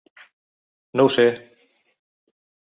No ho sé;